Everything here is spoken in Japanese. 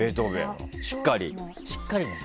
しっかりと。